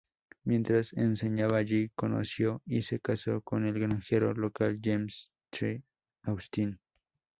Mientras enseñaba allí, conoció y se casó con el granjero local James T. Austin.